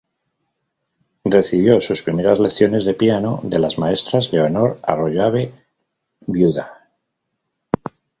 Recibió sus primeras lecciones de piano de las maestras Leonor Arroyave vda.